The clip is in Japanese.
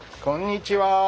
こんにちは。